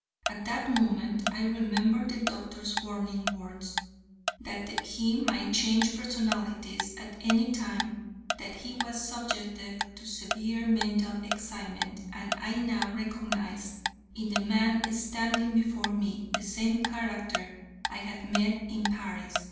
At that moment, I remembered the doctor's warning words, that he might change personalities at any time that he was subjected to severe mental excitement, and I now recognized in the man standing before me the same character I had met in Paris.